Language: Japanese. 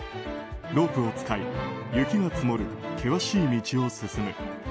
ロープを使い雪が積もる険しい道を進む。